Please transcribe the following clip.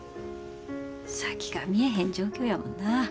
先が見えへん状況やもんな。